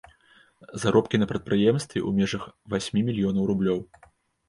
Заробкі на прадпрыемстве ў межах васьмі мільёнаў рублёў.